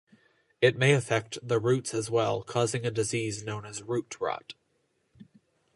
It may affect the roots as well, causing a disease known as root rot.